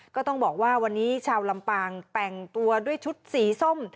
ก็ต้องบอกว่าวันนี้ชาวลำปางแต่งตัวด้วยชุดสีส้ม